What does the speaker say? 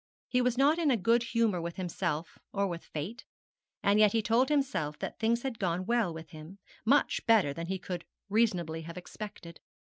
He was not in a good humour with himself or with fate; and yet he told himself that things had gone well with him, much better than he could reasonably have expected.